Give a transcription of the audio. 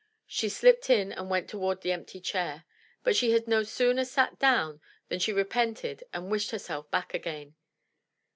She slipped in and went towards the empty chair. But she had no sooner sat down than she repented and wished herself back again.